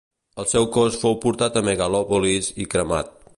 El seu cos fou portat a Megalòpolis i cremat.